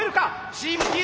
チームＴ大。